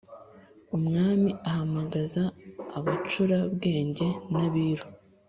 Umwami ahamagaza abacura bwenge nabiru